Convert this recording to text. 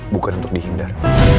bukan untuk dihindar